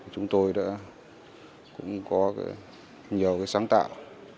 chúng tôi đã có nhiều sáng tạo